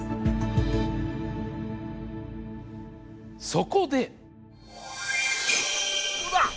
そこで！